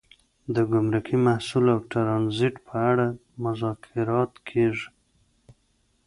د ګمرکي محصول او ټرانزیټ په اړه مذاکرات کیږي